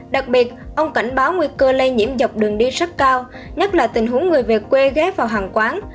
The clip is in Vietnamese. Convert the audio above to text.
đặc biệt ông cảnh báo nguy cơ lây nhiễm dọc đường đi rất cao nhất là tình huống người về quê ghé vào hàng quán